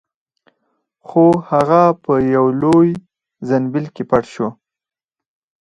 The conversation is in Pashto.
خو هغه په یوه لوی زنبیل کې پټ شو.